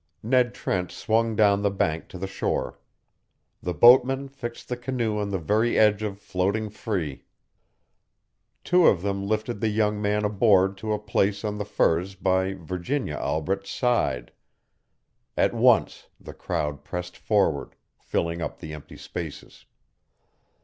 Ned Trent swung down the bank to the shore. The boatmen fixed the canoe on the very edge of floating free. Two of them lifted the young man aboard to a place on the furs by Virginia Albret's side. At once the crowd pressed forward, filling up the empty spaces.